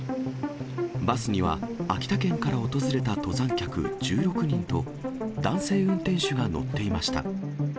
バスには秋田県から訪れた登山客１６人と、男性運転手が乗っていました。